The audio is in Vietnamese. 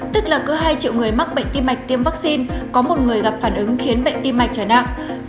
tức là cứ hai triệu người mắc bệnh tim mạch tiêm vaccine có một người gặp phản ứng khiến bệnh tim mạch trở nặng